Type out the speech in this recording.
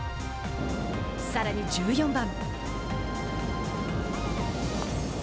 さらに１４番。